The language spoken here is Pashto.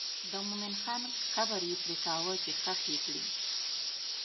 د مومن خان قبر یې پرېکاوه چې ښخ یې کړي.